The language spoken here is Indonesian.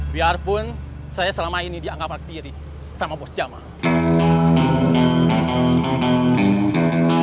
biarpun saya selama ini dianggap laktiri sama bos jamal